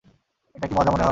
এটা কি মজা মনে হয়?